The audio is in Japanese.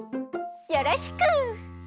よろしく！